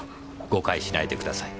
誤解しないでください。